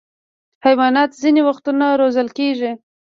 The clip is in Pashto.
حیوانات ځینې وختونه روزل کېږي.